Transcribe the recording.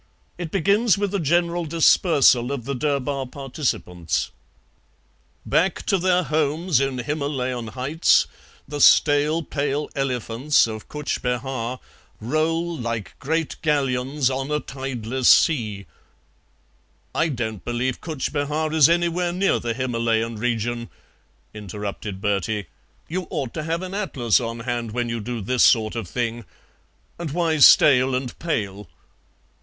It begins with a general dispersal of the Durbar participants: 'Back to their homes in Himalayan heights The stale pale elephants of Cutch Behar Roll like great galleons on a tideless sea '" "I don't believe Cutch Behar is anywhere near the Himalayan region," interrupted Bertie. "You ought to have an atlas on hand when you do this sort of thing; and why stale and pale?"